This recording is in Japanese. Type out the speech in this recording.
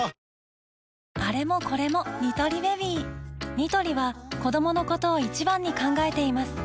ニトリは子どものことを一番に考えています